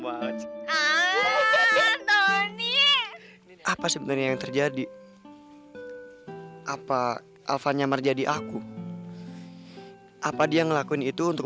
banget apa sebenarnya yang terjadi hai apa alva nyamar jadi aku apa dia ngelakuin itu untuk